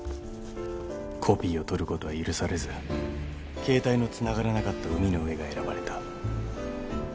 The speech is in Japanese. コピーを取ることは許されず携帯のつながらなかった海の上が選ばれた。